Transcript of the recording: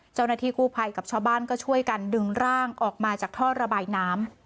เจ้าหน้าที่กู้ภัยกับชาวบ้านก็ช่วยกันดึงร่างออกมาจากท่อระบายน้ำ